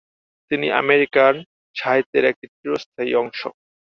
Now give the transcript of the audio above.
তিনি আমেরিকান সাহিত্যের একটি চিরস্থায়ী অংশ"